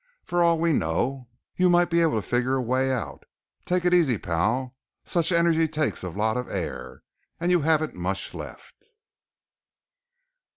For all we know, you might be able to figure a way out. Take it easy, pal. Such energy takes a lot of air and you haven't much left...."